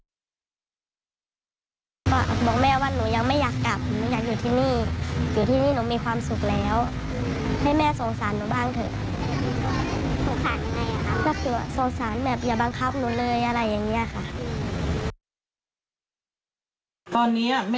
สงสารแบบอย่าบังคับหนูเลยอะไรอย่างนี้ค่ะ